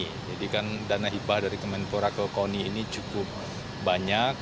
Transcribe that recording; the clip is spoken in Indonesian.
jadi kan dana hibah dari kemenpora ke koni ini cukup banyak